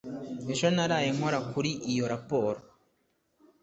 ejo naraye nkora kuri iyo raporo